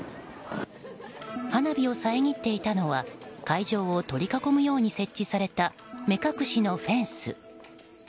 花火を遮っていたのは会場を取り囲むように設置された目隠しのフェンス。